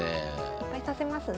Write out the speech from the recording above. いっぱい指せますね。